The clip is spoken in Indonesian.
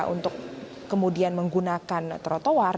untuk kemudian menggunakan trotoar